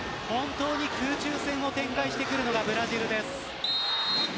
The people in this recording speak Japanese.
空中戦を展開してくるのがブラジルです。